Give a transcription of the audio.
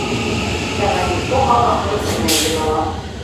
Яна нічога аб гэтым не ведала.